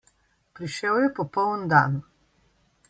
Prišel je popoln dan.